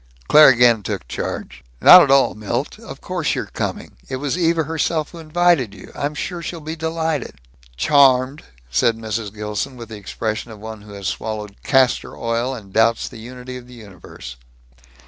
Claire again took charge. "Not at all, Milt. Of course you're coming. It was Eva herself who invited you. I'm sure she'll be delighted." "Charmed," said Mrs. Gilson, with the expression of one who has swallowed castor oil and doubts the unity of the universe.